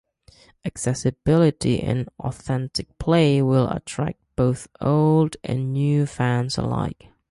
Accessibility and authentic play will attract both old and new fans alike.